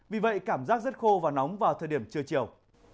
vì vậy cảm giác rất khô và nóng vào thời điểm trưa chiều